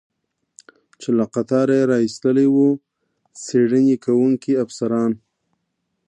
چې له قطاره یې را ایستلی و، څېړنې کوونکي افسران.